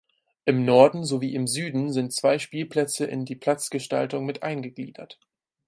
Im Norden sowie im Süden sind zwei Spielplätze in die Platzgestaltung mit eingegliedert.